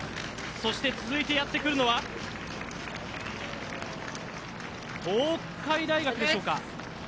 そして続いてやってくるのは東海大学でしょうか。